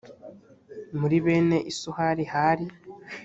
muri bene isuhari hari: